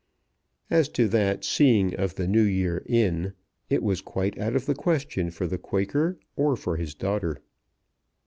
As to that seeing of the New Year in, it was quite out of the question for the Quaker or for his daughter.